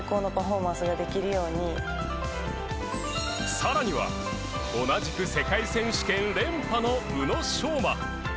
さらには同じく世界選手権連覇の宇野昌磨。